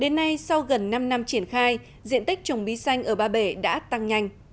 đến nay sau gần năm năm triển khai diện tích trồng bí xanh ở ba bể đã tăng nhanh